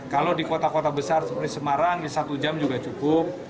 kalau di kota kota besar seperti semarang satu jam juga cukup